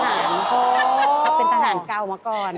เขาเป็นทหารเก่ามาก่อน